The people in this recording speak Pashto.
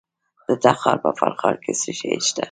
د تخار په فرخار کې څه شی شته؟